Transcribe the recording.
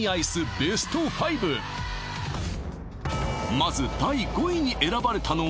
まず第５位に選ばれたのは？